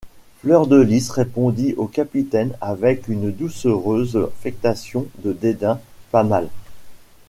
Fleur-de-Lys répondit au capitaine avec une doucereuse affectation de dédain: — Pas mal.